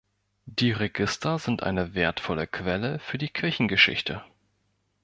Die Register sind eine wertvolle Quelle für die Kirchengeschichte.